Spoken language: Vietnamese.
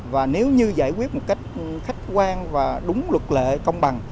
và nếu như giải quyết một cách khách quan và đúng luật lệ công bằng